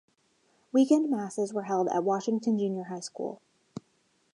Weekend masses were held at Washington Junior High School.